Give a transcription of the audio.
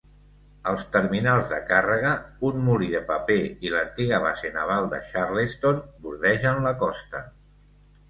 Els terminals de càrrega, un molí de paper i l"antiga Base naval de Charleston bordegen la costa.